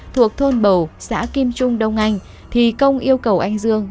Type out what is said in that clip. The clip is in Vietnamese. thuộc thôn bầu xã kim trung đông anh thì công yêu cầu anh dương